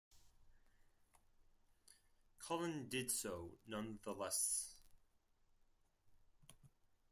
Cullen did so nonetheless.